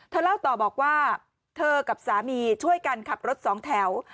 เล่าต่อบอกว่าเธอกับสามีช่วยกันขับรถสองแถว